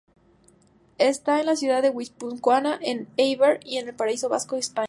Está en la ciudad guipuzcoana de Éibar en el País Vasco, España.